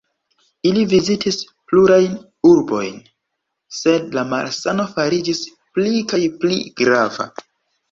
Ili vizitis plurajn urbojn, sed la malsano fariĝis pli kaj pli grava.